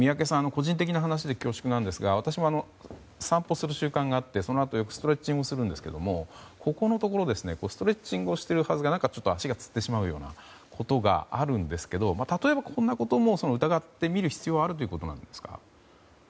個人的な話で恐縮ですが私も散歩する習慣があってそのあとストレッチングをするんですけどここのところストレッチングをしているはずが足がつってしまうようなことがあるんですけど例えば、こんなことも疑って診る必要があるんですか？